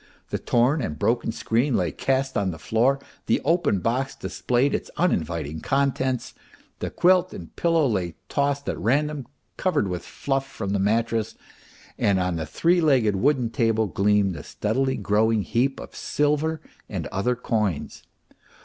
The torn and broken screen lay cast on the floor, the open box displayed its uninviting contents, the quilt and pillow lay tossed at random, covered with fluff from the mattress, and on the three legged wooden table gleamed the steadily growing heap of silver and other coins.